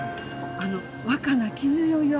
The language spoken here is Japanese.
あの若菜絹代よ。